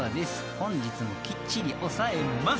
本日もきっちり抑えます］